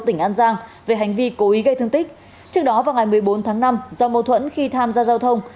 trước đó vào ngày một mươi bốn tháng năm do mâu thuẫn khi tham gia giao thông